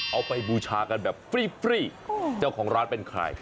ไปบูชากันแบบฟรีเจ้าของร้านเป็นใคร